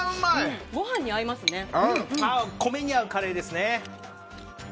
米に合うカレーですね。